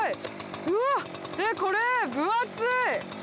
うわっこれ分厚い！